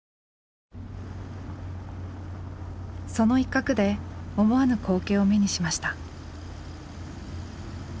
その一角で思わぬ光景を目にしました。